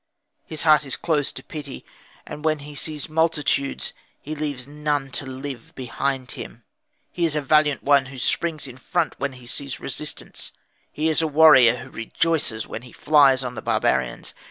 His heart is closed to pity; and when he sees multitudes, he leaves none to live behind him. He is a valiant one who springs in front when he sees resistance; he is a warrior who rejoices when he flies on the barbarians.